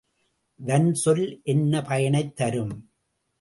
வன்சொல் என்ன பயனைத் தரும்?